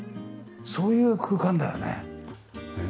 そういう空間だよね。